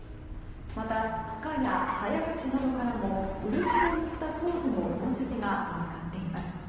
また、柄やさや口などからも漆を塗った装具の痕跡が見つかっています。